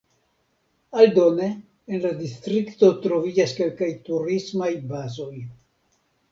Aldone en la distrikto troviĝas kelkaj turismaj bazoj.